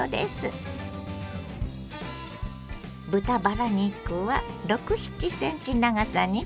豚バラ肉は６７ｃｍ長さに切ります。